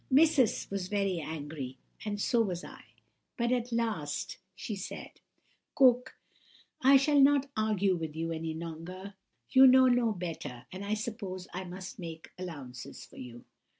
"Missus was very angry, and so was I; but at last she said:— "'Cook, I shall not argue with you any longer; you know no better, and I suppose I must make allowances for you.